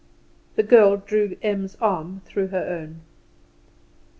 The girl drew Em's arm through her own.